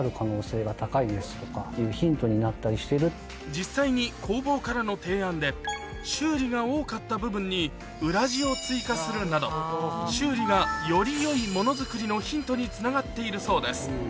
実際に工房からの提案で修理が多かった部分に裏地を追加するなど修理がより良いものづくりのヒントにつながっているそうです